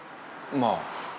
まあ。